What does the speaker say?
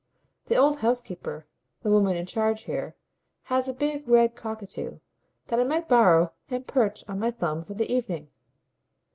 The old housekeeper, the woman in charge here, has a big red cockatoo that I might borrow and perch on my thumb for the evening."